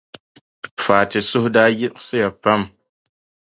Fati suhu daa yiɣisiya pam.